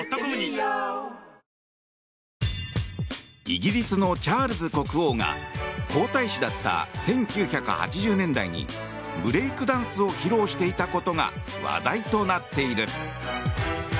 イギリスのチャールズ国王が皇太子だった１９８０年代にブレイクダンスを披露していたことが話題となっている。